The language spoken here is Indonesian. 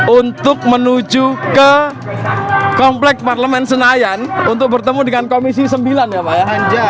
untuk menuju ke komplek parlemen senayan untuk bertemu dengan komisi sembilan ya pak ya